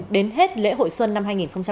đến hết lễ hội xuân năm hai nghìn hai mươi